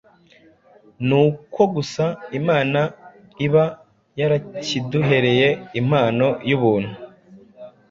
nuko gusa Imana iba yarakiduhereye impano y’ubuntu.